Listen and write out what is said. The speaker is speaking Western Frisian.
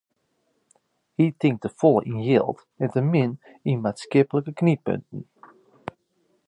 Hy tinkt te folle yn jild en te min yn maatskiplike knyppunten.